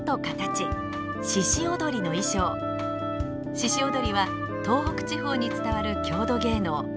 鹿踊は東北地方に伝わる郷土芸能。